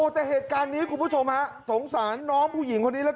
แต่เหตุการณ์นี้คุณผู้ชมฮะสงสารน้องผู้หญิงคนนี้แล้ว